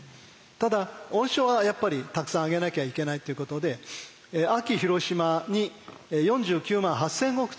ただ恩賞はやっぱりたくさんあげなきゃいけないっていうことで安芸広島に４９万８，０００石という大禄を与えました。